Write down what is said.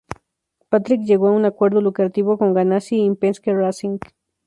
Patrick llegó a un acuerdo lucrativo con Ganassi y Penske Racing.